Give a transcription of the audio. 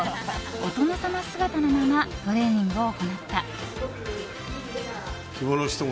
お殿様姿のままトレーニングを行った。